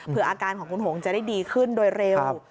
เพื่ออาการของคุณหงษ์จะได้ดีขึ้นโดยเร็ว